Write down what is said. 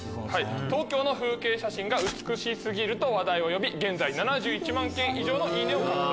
東京の風景写真が美し過ぎると話題を呼び現在７１万件以上のいいねを獲得。